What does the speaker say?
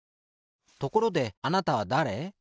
ところであなたはだれ？